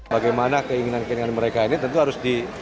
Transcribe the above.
bagaimana keinginan keinginan mereka ini tentu harus di